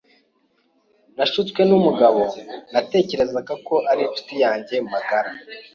Nashutswe numugabo natekerezaga ko ari inshuti yanjye magara.